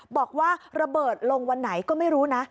บอกว่าระเบิดลงวันไหนก็ไม่รู้นะ